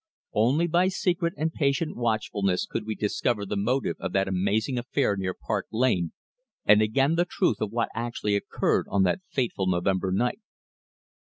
Only by secret and patient watchfulness could we discover the motive of that amazing affair near Park Lane, and again the truth of what actually occurred on that fateful November night.